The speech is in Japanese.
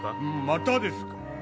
またですか！